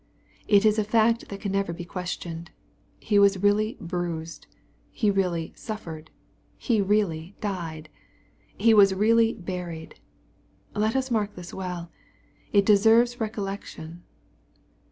It is a fact that can never be questioned. — ^He was really ''bruised.*' He really '* suffered/' He really " died." He was really " buried." Let us mark this well. It deserves recollection.